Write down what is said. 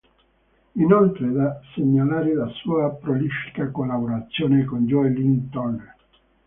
Inoltre da segnalare la sua prolifica collaborazione con Joe Lynn Turner.